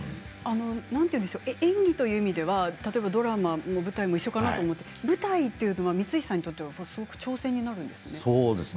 演技という意味ではドラマも舞台も一緒かなと思うんですが舞台というのは光石さんにとっては挑戦なんですか？